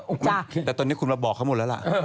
อุ้ยแต่ตอนนี้คุณละบอกข้ามุดละละ